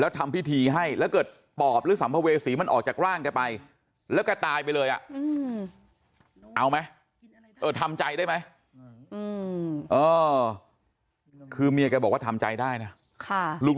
เอาไหมเออทำใจได้ไหมเออคือเมียแกบอกว่าทำใจได้นะค่ะ